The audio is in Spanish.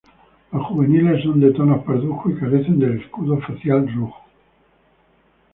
Los juveniles son de tonos parduzcos y carecen del escudo facial rojo.